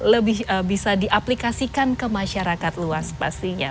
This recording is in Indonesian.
lebih bisa diaplikasikan ke masyarakat luas pastinya